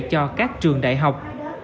cho các trường đại học